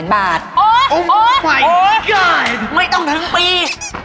ไม่ต้องทั้งปี